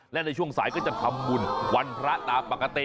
และในช่วงสายก็จะทำบุญวันพระตามปกติ